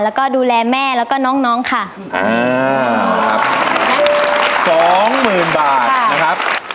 แล้วก็ดูแลแม่แล้วก็น้องน้องค่ะอ่าครับสองหมื่นบาทนะครับ